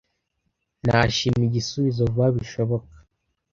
Nashima igisubizo vuba bishoboka.